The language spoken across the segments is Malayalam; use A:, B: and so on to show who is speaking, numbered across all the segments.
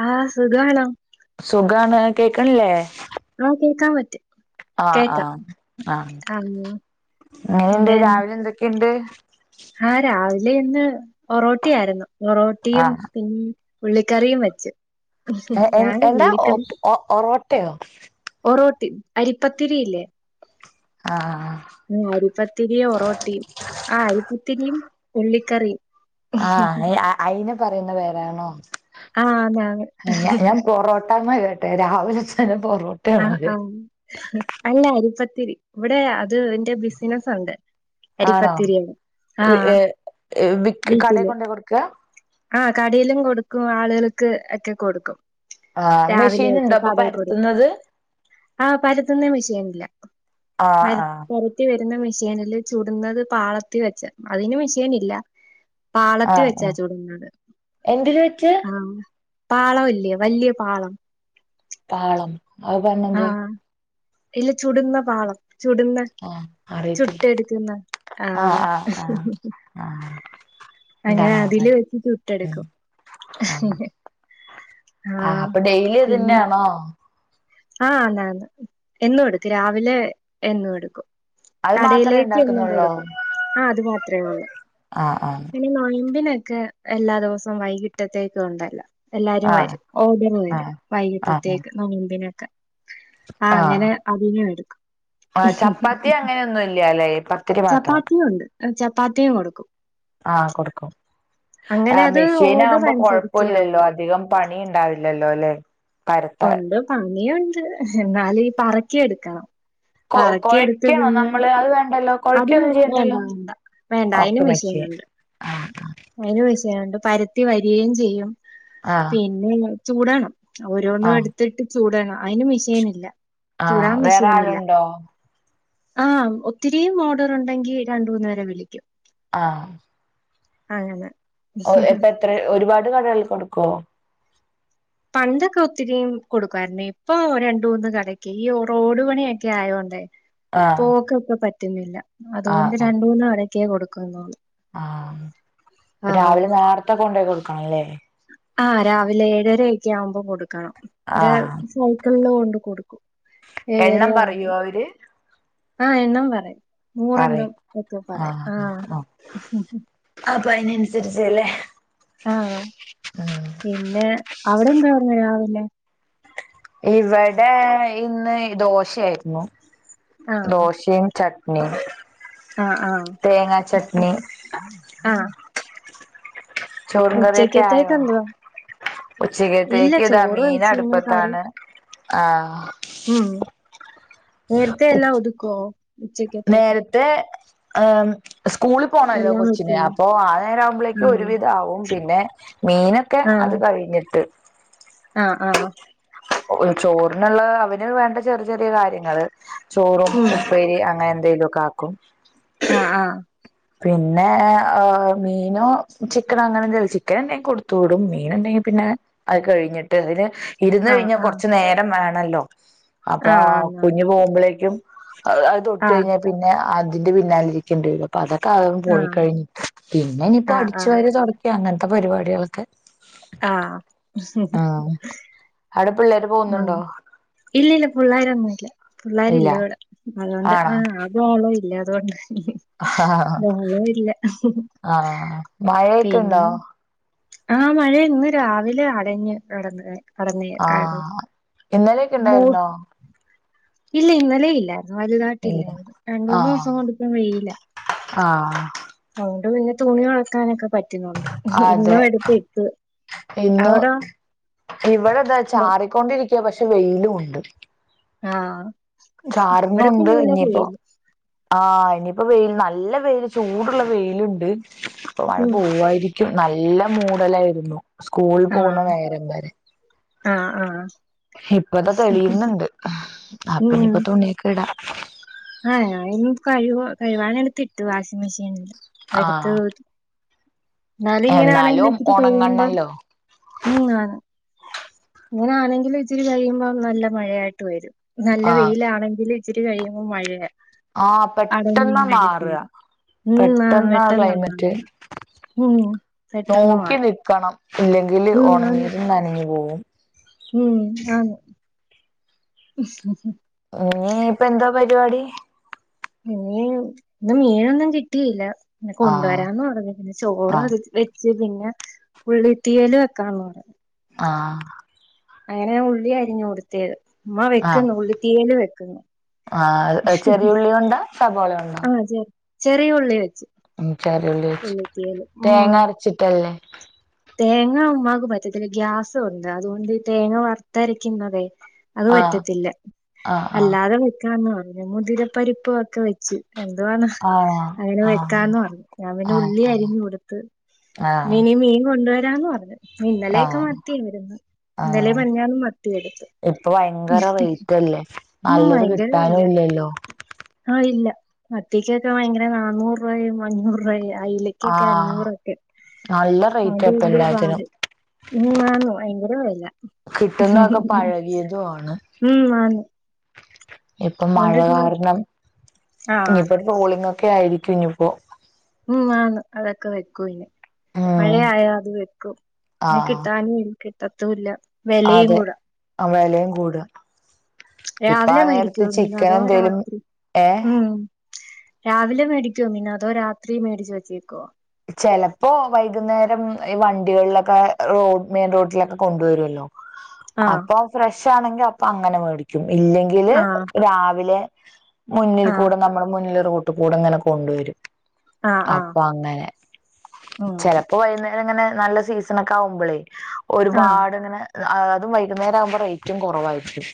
A: ആഹ് സുഖാണോ?
B: സുഖാണ് കേക്കണില്ലേ?
A: ആ കേക്കാപറ്റും
B: ആഹ് ആഹ് ആഹ് എങ്ങനെണ്ട്
A: പിന്നെ
B: രാവിലെ എന്തൊക്കെണ്ട്
A: ആഹ് രാവിലെ ഇന്ന് ഒറോട്ടിയായിരുന്നു ഒറോ റോട്ടിയും
B: ആഹ്
A: പിൻ ഉള്ളിക്കറിയും വെച്ച് ഞാന് ഉള്ളികറി
B: ഓ ഓറോട്ടയോ
A: ഓറോട്ടി അരിപ്പത്തിരിയില്ലേ?
B: ആഹ് ആഹ്
A: ആഹ് അരിപ്പത്തിരിയും ഒറോട്ടിയും ആഹ് അരിപ്പത്തിരിയും ഉള്ളിക്കറിം
B: ആഹ് അയിന് പറയുന്ന പേരാണോ?
A: ആഹ് അതാണ്
B: ഞാൻ പൊറോ പെട്ടന്ന് കേട്ടെ രാവിലെതന്നെ പൊന്നൂ
A: ആഹ് ആഹ് അല്ല അരിപ്പത്തിരി ഇവിടെ അത് ന്റെ ബിസിനസ് ഉണ്ട്
B: ആണോ
A: അരിപ്പത്തിരിയാണ് ആഹ്
B: വിക്ക് കടേ
A: വീട്ടില്
B: കൊണ്ടേ കൊടുക്ക
A: ആഹ് കടയിലും കൊടുക്കും ആളുകൾക്ക് ഒക്കെ കൊടുക്കും.
B: ആഹ് മെഷീൻ
A: രാവിലെക്കെ
B: ഉണ്ടോ അപ്പൊ
A: കടേ കൊടുക്കും.
B: പരത്തുന്നത്
A: ആഹ് പരത്തുന്നേ മിഷൈൻ ഇല്ല
B: ആഹ്
A: പര
B: ആഹ്
A: പര ത്തിവരുന്ന മെഷീനില് ചുടുന്നത് പാളത്തിവെച്ച അതിന് മെഷീൻ ഇല്ല.
B: ആഹ്
A: പാളത്തിവെച്ചാ
B: ആഹ്
A: ചൂടുന്നത്
B: എന്തില് വെച്ച്
A: ആഹ്. പാളംല്ലേ വല്ല്യ പാളം.
B: പാളം. അത് പറഞ്ഞെന്തുവാ
A: ആഹ് ഇല്ലേ ചുടുന്ന പാളം. ചുടുന്ന
B: ആഹ് അറിയത്തില്ല
A: ചുട്ട് എടുക്കുന്ന ആഹ്.
B: ആഹ്
A: അങ്ങനെ
B: എന്താണാവോ
A: അതില്
B: പൽ
A: വെച്ച്
B: ഉം
A: ചുട്ടെടുക്കും
B: ആഹ്. ആഹ് അപ്പൊ ഡെയിലി
A: പിന്നെ
B: അതെന്നെയാണോ?
A: ആഹ് ആന്ന് ആന്ന് എന്നും എടുക്കും രാവിലെ എന്നും എടുക്കും.
B: അത് മാത്രമേ
A: കടേലേക്ക് എന്നും
B: ഉണ്ടാക്കുന്നുള്ളോ
A: കൊടുക്കും ആഹ് അത് മാത്രേ ഒള്ളൂ.
B: ആഹ് ആഹ്.
A: പിന്നെ നൊയമ്പിനൊക്കെ എല്ലാ ദിവസവും വൈകിട്ടത്തേക്ക് ഉണ്ടല്ലോ. എല്ലാരും
B: ആഹ്
A: വരും ഓർഡറ് വരും
B: ആഹ് ആഹ്
A: വൈകിട്ടത്തേക്ക് നോയമ്പിനൊക്കെ. ആഹ് അങ്ങനെ അതിനും എടുക്കും.
B: ന്നുംല്ല്യാല്ലേ പത്തിരി മാത്രം
A: ചപ്പാത്തിയും ഉണ്ട് ചപ്പാത്തിയും കൊടുക്കും
B: ആഹ് കൊടുക്കും.
A: അങ്ങനെ
B: ആഹ്
A: അത്
B: മെഷീൻ
A: ഓർഡർ
B: ആവുമ്പോ
A: അനുസരിച്ച്
B: കൊഴപ്പില്ലല്ലോ
A: ആവുന്നു
B: അധികം പണി ഇണ്ടാവില്ലല്ലോല്ലെ?
A: ഉണ്ട് പണിയുണ്ട് എന്നാലും ഈ പറക്കി എടുക്കണം.
B: കൊ കൊഴക്കണോ നമ്മള് അത് വേണ്ടല്ലോ?
A: അതിന്
B: കൊഴയ്ക്കൊന്നും
A: വേണ്ട
B: ചെയ്യണ്ടല്ലോ
A: വേണ്ട വേണ്ട അയിന്
B: ഒക്കെ മെഷീൻ
A: മെഷീനുണ്ട്.
B: ആഹ്
A: അയിന് മെഷിനുണ്ട് പരത്തി വരികയും ചെയ്യും
B: ആഹ്
A: പിന്നെ ചുടൊണം ഓരോന്നും
B: ആഹ്
A: എടുത്തിട്ട് ചുടണം അയിന് മെഷീനില്ല.
B: ആഹ്
A: ചൂടാൻ
B: വേറെ
A: മെഷിനില്ല.
B: ആളുണ്ടോ
A: ആഹ് ഒത്തിരീം ഓർഡർ ഉണ്ടെങ്കി രണ്ട് മൂന്ന് പേരെ വിളിക്കും.
B: ആഹ്.
A: അങ്ങനെ..
B: ഓഹ് അപ്പൊ എത്ര ഒരുപാട് കടകളി കൊടുക്കുവോ?
A: പണ്ടൊക്കെ ഒത്തിരി കൊടുക്കായിരുന്നു ഇപ്പൊ രണ്ട് മൂന്ന് കടക്ക് ഈ റോഡു പണിയൊക്കെ ആയോണ്ടേ.
B: ആഹ്
A: പോക്ക് ഒക്കെ പറ്റുന്നില്ല
B: ആഹ്
A: അതുകൊണ്ട്
B: ആഹ്
A: രണ്ട് മൂന്ന് കടക്കേ കൊടുക്കുന്നുള്ളു.
B: ആഹ് പ്പൊ രാവിലെ നേരത്തെ കൊണ്ടേ കൊടുക്കണംല്ലേ?
A: ആഹ് രാവിലെ ഏഴരയൊക്കെ ആവുമ്പോ കൊടുക്കണം ഇവിടെ
B: ആഹ്
A: സ് സൈക്കിളില് കൊണ്ട് കൊടുക്കും ഏഴര
B: എണ്ണം പറയോ
A: ആവുമ്പോ
B: അവര്
A: ആഹ് എണ്ണം പറയും. നൂറെണ്ണം
B: പറയും
A: ഒക്കെ പറയും ആഹ്.
B: അപ്പ അയിനനുസരിച്ചല്ലേ?
A: ആഹ്
B: ഉം
A: പിന്നെ അവിടെ എന്തുവാരിന്ന് രാവിലെ?
B: ഇവിടെ ഇന്ന് ദോശയായിരുന്നു
A: ആഹ്
B: ദോശേം ചട്നിം
A: ആഹ് ആഹ്
B: തേങ്ങാ ചട്നി.
A: ആഹ്.
B: ചോറും കറിയൊക്കെ
A: ഉച്ചക്കത്തേക്ക്
B: ആയോ
A: എന്തുവാ? ഇല്ല
B: ഉച്ചക്കത്തേക്ക് ഇതാ
A: ചോറ്
B: മീൻ
A: വെച്ചു. പിന്നെ കറി
B: അടുപ്പത്താണ്. ആഹ്.
A: ഉം നേരത്തെ എല്ലാം ഒതുക്കോ?
B: നേരത്തെ അഹ്. സ്കൂളിൽ പോണല്ലോ
A: എല്ലാം
B: കൊച്ചിന്
A: വെക്കുന്നു.
B: അപ്പൊ ആ നേരം ആവുമ്പളേക്കും
A: ഉം.
B: ഒരു വിധമാവും പിന്നെ- മീനൊക്കെ അത്
A: ആഹ്.
B: കഴിഞ്ഞിട്ട്
A: ആഹ് ആഹ്
B: ഒരു ചോറിനുള്ള അവന് വേണ്ട ചെറിയ ചെറിയ കാര്യങ്ങള് ചോറും
A: ഉം.
B: ഉപ്പേരി അ ങ്ങനെ എന്തേലും ഒക്കെ ആക്കും
A: ആഹ് ആഹ്
B: പിന്നെ എ് മീനോ ചിക്കനോ അങ്ങനെ എന്തേലും ചിക്കൻ ഇണ്ടെങ്കിൽ കൊടുത്തു വിടും മീനുണ്ടെങ്കി പിന്നെ അത് കഴിഞ്ഞിട്ട് അതിന് ഇരുന്ന്
A: ആഹ്
B: കഴിഞ്ഞ
A: ആഹ്.
B: കുറച്ച നേരം വേണല്ലോ അപ്പൊ
A: ആഹ് ആഹ്.
B: കുഞ് പോകുമ്പോളേക്കിയും അത് അത് തോട്ട്
A: ആഹ്.
B: കഴിഞ്ഞാ പിന്നെ അതിന്റെ പിന്നാലിരിക്കേണ്ടി വരും അപ്പൊ അതാ പൊ അതും പോയി കഴിഞ് പിന്നെ ഇനിയിപ്പോ
A: ആഹ്
B: അടിച്ചു
A: ആഹ്.
B: വാര തോടക്കിയ അങ്ങനത്തെ പരിപാടികളൊക്കെ
A: ആഹ്
B: ആടെപ്പിള്ളേരു പൊ
A: ഉം ഇല്ലല്ല പള്ളേർൊന്നുംല്ല
B: ഇല്ല
A: പിള്ളേരില്ല ഇവിടെ അതുകൊണ്ട്
B: ആണോ
A: ആഹ് അതോ ഓളോ ഇല്ല അതോണ്ട് നോള ഇല്ല
B: ആഹ് മഴയൊക്കെ
A: പിന്നെ
B: ഉണ്ടോ
A: ആഹ് മഴ ഇന്ന് രാവിലെ അടഞ് കടന്ന് കടന്നക്ക
B: ആഹ് ഇന്നലെയൊക്കെ ണ്ടായിരുന്നോ
A: ഇല്ല ഇന്നലെ ഇല്ലായിരുന്നു വലുതായിട്ട്
B: ഇല്ല
A: ഇില്ലായിരുന്നു രണ്ട് മൂന്ന്
B: ആഹ്
A: ദിവസം കൊണ്ട് ഇപ്പം വെയില
B: ആഹ്
A: അതുകൊണ്ട് പിന്നെ തുണിഒണക്കാനൊക്കെ പറ്റുന്നുണ്ട് ഇന്നും
B: അതെ
A: എടുത്ത് ഇട്ട്
B: ഇന്ന് ഇവിടെതാ
A: അതെ.
B: ചാറിക്കൊണ്ടിരിക്ക പക്ഷെ വെയിലുണ്ട്
A: ആഹ് വടപ്പൊ
B: ചാറുന്നുണ്ട്
A: നല്ല
B: ഇനിയിപ്പോ
A: വെയില്
B: ആഹ് ഇനിയിപ്പോ വെയിൽ നല്ല വെയിൽ ചൂടുള്ള വെയില്ണ്ട് ഇപ്പൊ മഴ
A: ഉം.
B: പോവായിരിക്കും ക്കും നല്ല മൂടലായിരുന്നു സ്കൂളിൽ
A: ആ.
B: പോണ ന്നേരം വരെ
A: ആ, ആ.
B: ഇപ്പതാ തെളിയിന്ണ്ട് അപ്പ നിപ്പൊ തുണിയൊക്കെ ഇടാ
A: ആഹ് ഞാനിന്ന് കഴു കഴുവാൻ എടുത്ത്ട്ട് വാഷിംഗ് മെഷീൻന്ന് എടുത്ത്
B: ആഹ്
A: എന്നാലും ഇങ്ങനാന്നങ്കില്
B: എന്നാലും
A: ഇിട്ട് കഴിയുമ്പോം
B: ഉണങ്ങണല്ലോ
A: നീങ്ങാന് ഇങ്ങനാണെങ്കിലും ഇച്ചരി കഴിയുമ്പോം നല്ല മഴയായിട്ട് വരും നല്ല
B: ആഹ്
A: വെയിലാണങ്കില് ഇച്ചിരി കഴിയുമ്പോ മഴയാ
B: ആഹ്
A: അടഞ്ഞി
B: പെട്ടെന്നാ
A: ഇന്നാ
B: മാറുക
A: കെട്ടിയത് ഉം ന്നാ
B: പെട്ടെന്നാ
A: വെട്ടന്നാ മാ
B: ക്ലൈമറ്റ്
A: മം പെട്ടെന്ന് മാറും
B: കണം ഇല്ലെങ്കിൽ
A: ഉം ആന്ന്.
B: ഒണങ്ങിയതും നനഞ്ഞു പോകും
A: ഉം ആന്ന് ഹമ് ഹമ്
B: ഇനി ഇപ്പ എന്താ പരിപാടി
A: ഇന്നീ ഇന്ന് മീനൊന്നും കിട്ടിയില്ല
B: ആഹ്
A: കൊണ്ടുവരാന്ന് പറഞ്ഞു പിന്നെ ചോറ്
B: ആഹ്
A: അത് വെച്ച് വെച്ച് പിന്ന ഉള്ളി തീയൽ വെക്കാള്ളു വടേ
B: ആഹ്
A: അങ്ങനെ ഉള്ളി അരിഞ് കൊടുത്തയത് ഉമ്മാ
B: ആഹ്
A: വെക്കുന്ന് ഉള്ളി തീയല് വെക്കുന്
B: ആഹ് അത് ചെറിയുള്ളിയോണ്ടാ സബോളയോണ്ടോ
A: ചെറി ഉള്ളി വെച്ച്
B: ഉം ചറിള്ളി വെച്ച്
A: ഉള്ളിത്തീയല് ഉം
B: തേങ്ങ അരച്ചിട്ടല്ലേ
A: തേങ്ങ ഉമ്മാക്ക് പറ്റത്തില്ല ഗ്യാസുണ്ട് അതുകൊണ്ട് തേങ്ങ വർത്തരക്കുന്നതേ അത്
B: ആഹ്
A: പറ്റത്തില്ല
B: ആഹ് ആഹ്
A: അല്ലാതെ വെക്കാന്ന് പറഞ് മുതിരപ്പരിപ്പൊക്കെ വെച്ച് എന്തുവാന്ന്
B: ആണോ
A: അങ്ങനെ
B: ആഹ്
A: വെക്കാന്ന് പറഞ്ഞു ഞാൻ പിന്നെ
B: ആഹ്
A: ഉള്ളി അരിഞ് കൊടുത്ത്
B: ആഹ്
A: ഇനി മീൻ കൊണ്ടുവരാന്ന് പറഞ് ഇന്നലെയൊക്കെ
B: ആഹ്
A: മത്തി ഇണ്ട് യിന്ന് ഇന്നലെ
B: ആഹ്
A: മിഞ്ഞാ ന്നും മത്തി വേടിച്ചു
B: ഇപ്പൊ ഭയങ്കര റേറ്റ്ല്ലേ
A: ഉം
B: നല്ലത്
A: ഭയങ്കര വെല
B: കിട്ടാനും ഇല്ലല്ലോ
A: ആഹ് ഇല്ല മത്തിക്കൊക്കെ ഭയങ്കര നന്നൂറ് രൂപായും അഞ്ഞൂറ് രൂപായും അയില
B: ആഹ് നല്ല
A: അതോണ്ട്
B: റേറ്റ് ഇപ്പ
A: വല്യ
B: എല്ലാത്തിനും
A: പാട് ഉം ആന്നു ഭയങ്കര വേല
B: കിട്ടുന്നതൊക്കെ പഴകിയതും ആണ്
A: ഉം ആണ്
B: ഇപ്പൊ മഴ കാരണം
A: ആഹ്
B: ഇനിയിപ്പോ ടോളിംഗ് ഒക്കെ ആയിരിക്കും ഇനിയിപ്പോ
A: ഉം ആന്ന് അതൊക്കെ വക്കും നെ
B: ഉം
A: മഴയയാ അത് വെക്കും പിന്നേ
B: ആഹ്
A: കിട്ടാനും കിട്ടത്തുല്ല െവലയും കൂടും
B: ആഹ് വെലയും കൂടും
A: രാവിലെ മേടിച്ചോ മീൻ
B: ചിക്കൻ
A: അതോ
B: എന്തേലും
A: രാത്രി
B: ഏ
A: ഉം രാവിലെ മേടിക്കുവോ മീൻ അതോ രാത്രി മേടിച്ചു വെച്ചേക്കോ
B: ചെലപ്പോ വൈകുന്നേരം ഈ വണ്ടികളിലൊക്കെ റോഡ് മെയിൻ റോഡിലൊക്കെ കൊണ്ടുവരുവല്ലോ
A: ആഹ്
B: അപ്പൊ ഫ്രഷാണെങ്കി അപ്പൊ അങ്ങനെ വേടിക്കും ഇല്ലെങ്കില്
A: ആഹ്
B: രാവിലെ മുന്നിൽ
A: ആഹ്
B: കൂടെ നമ്മുടെ മുന്നില് റോട്ടീ കൂടെ ഇങ്ങനെ കൊണ്ടുവരും
A: ആഹ്
B: അപ്പൊ അങ്ങനെ
A: ആഹ് ഉം
B: ചെലപ്പോ വൈകുന്നേരം ഇങ്ങനെ നല്ല സീസണൊക്കെ ആവുമ്പളേ
A: ആഹ്
B: ഒരുപാട് ഇങ്ങനെ അതും വൈകുന്നേരം ആവുമ്പോ റേറ്റും കുറവായിരിക്കും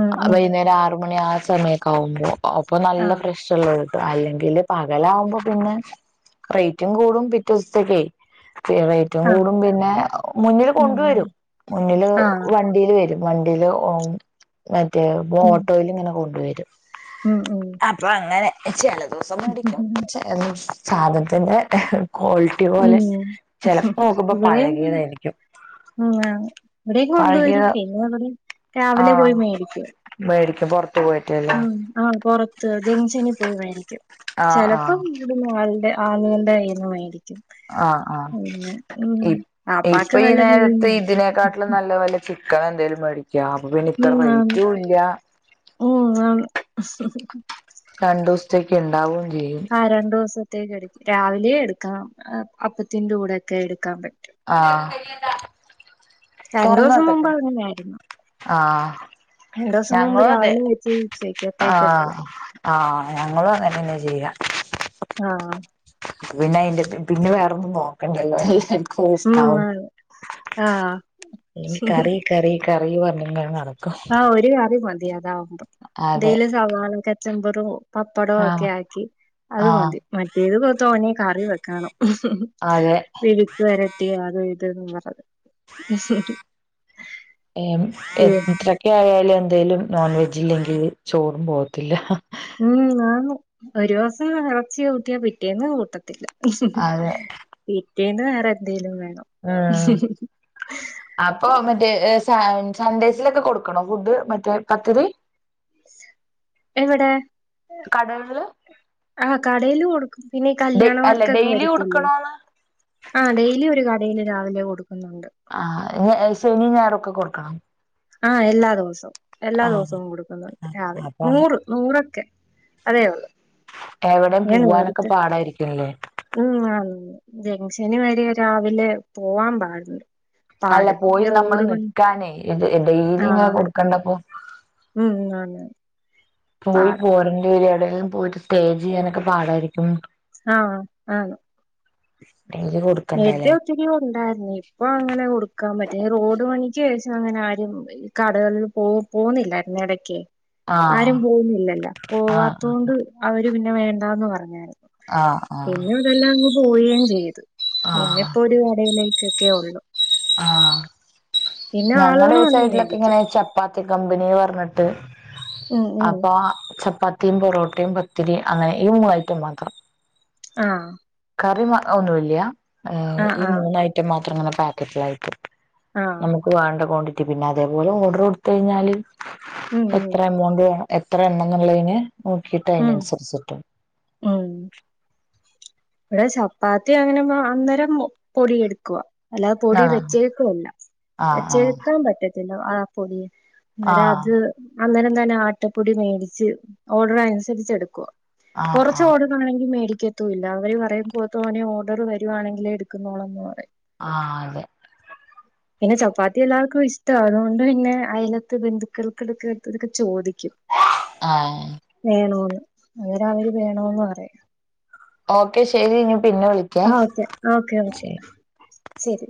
A: ഉം ഉം
B: വൈകുന്നേരം ആറ് മണി ആഹ് സമയത്ത് ക്കാവുമ്പോ അപ്പൊ നല്ല
A: ആഹ്
B: ഫ്രഷൊള്ള കിട്ടും അല്ലെങ്കില് പകലാവുമ്പോ പിന്നെ റേ റ്റും കൂടും പിറ്റേ ദിവസത്തേക്കേ ഈ റേ റേറ്റും
A: ആഹ്
B: കൂടും പിന്നെ മുന്നിൽ
A: ഉം ഉം
B: കൊണ്ടുവരും മുന്നില് വ
A: ആഹ്
B: വണ്ടീല് വരും വണ്ടില് ഓം മറ്റേ
A: ഉം
B: ഓട്ടോയിലിങ്ങനെ കൊണ്ട് വരും
A: ഉം ഉം
B: അപ്പൊ അങ്ങനെ ചില ദിവസം മേടിക്കും ചെല ദിവസം സാധനത്തിന്റെ ക്വാളിറ്റി പോലെ
A: ഉം
B: ചെലപ്പോ നോക്കുമ്പോ
A: ഇവിടെയും അങ്ങനെ
B: പഴകിയതായിരിക്കും
A: ഉം ങ ഇവിടെയും കൊണ്ട് വരും
B: പഴകിയത്
A: പിന്നെ ഇവിടെയും രാവിലെ
B: ആഹ്
A: പോയി മേടിക്കും
B: മേടിക്കും പൊറത്തു പോയി
A: ഉം ആഹ് പൊറത്ത് ജംഗ്ഷനി പോയി വേടിക്കും
B: ആഹ്
A: ചെലപ്പം
B: ആഹ്
A: എന്നിട്ട് മാൾടെ ആ [unintelligible] ളുകളുടെ കൈയ്യിന്ന് മേടിക്കും
B: ആഹ്- ആഹ്
A: പിന്നെ ഉം
B: ഇപ് ഇപ്പൊ
A: വാപ്പാക്ക്
B: ഈ
A: നല്ല മീൻ
B: നേരത്ത്
A: വേണം.
B: ഇതിനേക്കാട്ടില് നല്ല വെല ചി ക്കണ എന്തേലും പറിയും ക്കാം അപ്പൊ പിന്നെ ഇത്ര
A: ഉം ആന്ന്
B: റേറ്റു ഇല്ല
A: ഉം ആന്ന്
B: രണ്ടു ദിവസത്തേക്ക് ഇണ്ടാവും ചെയ്യും
A: ആഹ് രണ്ടു ദിവസത്തേക്ക് എടുക്ക രാവിലെയും എടുക്കാം അപ്പത്തിന്റെ കൂടെയൊക്കെ എടുക്കാം പറ്റും
B: ആഹ്
A: രണ്ടു
B: തുറന്ന്
A: ദിവസം മുമ്പ്
B: വെക്കട്ടെ
A: അങ്ങനെയായിരുന്നു
B: ആഹ്
A: രണ്ടു ദിവസം മുമ്പ്
B: ഞങ്ങളും അതെ
A: രാവിലെ വെച്ച് ഉച്ചക്കത്തേക്ക്
B: ആഹ്
A: എടുത്തത്
B: ആഹ് ഞങ്ങളും അങ്ങനെ തന്നെ ചെയ്യുക
A: ആഹ്
B: പിന്നെ അയിന്റെ പിന്നെ വേറൊന്നും നോക്കണ്ടല്ലോ
A: ഉം
B: ടെസ്റ്റാവും
A: ആണ് ആഹ്
B: ഇനി കറി കറി കറി പറഞ്ഞിങ്ങനെ നടക്കും
A: ആഹ് ഒരു കറി മതി അതാവുമ്പം
B: അതെ
A: എന്തേലും സവാള കച്ചമ്പറു പപ്പടോക്കെ
B: ആഹ്
A: ആക്കി അത്
B: ആഹ്
A: മതി മറ്റേത് തോനെയും കറി വെക്കണം
B: അതെ
A: മെഴുക്ക് വരട്ടി അതും ഇത് ന്ന് പറഞ്ഞ്
B: ഏമ്
A: ഏ,
B: [unintelligible] ഇക്ക്യായാല് എന്തേലും നോൺ വെജ് ഇല്ലെങ്കിൽ ചോറും പോവത്തില്ല
A: ഉം ആന്ന് ഒരു ദിവസം എറച്ചി കൂട്ടിയാ പിറ്റേന്ന് കൂട്ടത്തില്ല
B: അതെ
A: പിറ്റേന്ന് വേറെ എന്തേലും വേണം
B: അപ്പോ മറ്റേ സ സൺഡേയ്സിലൊക്കെ കൊടുക്കണോ ഫുഡ് മറ്റേ പദ്ധതി
A: ഇസ്സ് എവിടേ
B: കടകൾല്
A: ആ കടയില് കൊടുക്കും പിന്നെ ഈ
B: ഡെ
A: കല്യാണ
B: അല്ല
A: വർത്തൊക്കെ
B: ഡെയിലി
A: വരത്തില്ലോ
B: കൊടുക്കണോന്ന്
A: ആ ഡെയ്ലി ഒരു കടയില് രാവിലെ കൊടുക്കുന്നുണ്ട്
B: ആ ഇത് ശനി ഞായറൊക്കെ കൊടുക്കണോ
A: ആ എല്ലാ ദിവസവും എല്ലാ
B: ആഹ്
A: ദിവസവും കൊടുക്കുന്നുണ്ട്
B: ആഹ്
A: രാവിലെ
B: അപ്പൊ
A: നൂറ് നൂറൊക്കെ അതേ ഒള്ളൂ
B: എവിടെയും പോവാനൊക്കെ പാടായിരിക്കു അല്ലേ
A: ഉം ആ ജംഗ്ഷന് വരെ രാവിലെ പോവാൻ പാടുണ്ട്
B: അല്ല
A: പാട്
B: പോയി
A: ഈ
B: നമ്മള്
A: റോഡ് പണി
B: നിക്കാന് ഇ ഡെയ്ലിങ്ങനെ
A: ആഹ്
B: കൊടുക്കണ്ടപ്പോ.
A: ഉം അതെന്നേ
B: പോയി പോരണ്ടിവരും എവ്ടങ്കിലും. പോയിട്ട് സ്റ്റേ ചെയ്യാനൊക്കെ പാടായിരിക്കും
A: ആഹ് ആഹ്
B: ഡെയ്ലി കോട്
A: ഏട്ത്തിയോ ത്തിരി ഉണ്ടായിരുന്നു. ഇപ്പൊ അങ്ങനെ കൊടുക്കാൻ പറ്റും റോഡ് പണിക്ക് ശേഷം അങ്ങനെ ആരും [unintelligible] കടകളിൽ പോ പോന്നില്ലായിരുന്ന എടയ്ക്ക്.
B: ആഹ്
A: ആരും പോവുന്നില്ലല്ലാ
B: ആഹ്
A: പോവാത്തോണ്ട് അവര് പിന്നെ വേണ്ടാന്ന് പറഞ്ഞാന്.
B: ആഹ് ആഹ്
A: ഇതെല്ലാം അങ്ങ് പോവയും ചെയ്ത്.
B: ആഹ്
A: പിന്നെപ്പോ ഒരു കടയിലേയ്ക്കൊക്കേ ഒള്ളൂ.
B: ആ ഞങ്ങടെ
A: ആളുകൾ
B: ഈ
A: വന്ന്
B: സൈഡ്ലൊക്കെ ഇങ്ങനെ
A: മേടിക്കും
B: വെച്ചാ ചപ്പാത്തി കമ്പനി പർഞ്ഞിട്ട്
A: ഉം ഉം
B: അപ്പോ ചപ്പാത്തി. ത്തിയും പൊറോട്ടയും പത്തിരി അങ്ങനെ ഈ മൂന്നയ്റ്റം മാത്രം.
A: ആഹ്
B: കറി മ ഒന്നൂല്യ
A: ആഹ്
B: ഈ
A: ആഹ്
B: മൂന്ന് ഐറ്റം മാത്രം ങ്ങനെ പാക്കറ്റിലായിട്ട്.
A: ആഹ്
B: വാണ്ട ക്വാണ്ടിറ്റി പിന്നെ അതേപോലെ ഓഡർ കൊടുത്തഴിഞ്ഞാല്
A: ഉം ഉം
B: എത്ര എമൗണ്ട് വേണം. എത്ര എണ്ണം എന്നുള്ളയ്ന് നോക്കിട്ട്
A: ഉം
B: അയ്നനുസരിച്ചിട്ടും.
A: ഉം ഇവ്ടെ ചപ്പാത്തി അങ്ങനെ അന്നേരം പൊടി എടുക്കുവാ അല്ലാതെ പൊടി
B: ആഹ്
A: വെച്ചേക്കുവല്ല
B: ആഹ്
A: വെച്ചേക്കാൻ പറ്റത്തില്ല ആ പൊടി. ഇന്ന്
B: ആഹ്
A: രാത്രി അന്നേരം തന്നെ ആട്ടപ്പൊടി മേടിച്ച് ഓഡർ അനുസരിച്ച് എടുക്കോ.
B: ആഹ് ആഹ് ആഹ്
A: കൊറച്ചോഡർ ആണെങ്കിൽ മേടിക്കത്തുംല്ല അവര് പറയും ബോ ത്തോനേ ഓഡർ വരുവാണെങ്കിലേ എടുക്കുന്നോളന്ന് പറയും.
B: ആഹ് അതെ
A: പിന്നെ ചപ്പാത്തി എല്ലാർക്കും ഇഷ്ട്ടാ അതുകൊണ്ട് പിന്നെ അയലത്ത് ബന്ധുക്കൾക്കിടക്കെടുത്ത് ഇതൊക്കെ ചോദിക്കും.
B: ആഹ്
A: വേണോന്ന്. അങ്ങന അവര് വേണോന്ന് പറയാ.
B: ഓക്കെ ശരി ഇഞ് പിന്നെ വിളിക്
A: ആ ഓക്കെ ഓക്കെ. ഓക്കെ ശെരി.